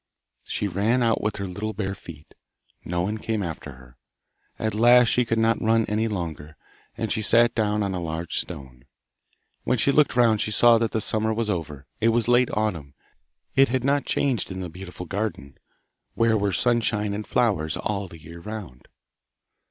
She ran out with her little bare feet. No one came after her. At last she could not run any longer, and she sat down on a large stone. When she looked round she saw that the summer was over; it was late autumn. It had not changed in the beautiful garden, where were sunshine and flowers all the year round.